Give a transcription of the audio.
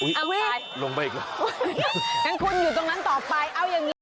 เอาไปลงไปอีกแล้วงั้นคุณอยู่ตรงนั้นต่อไปเอาอย่างงี้